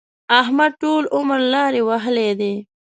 احمد ټول عمر لارې وهلې دي.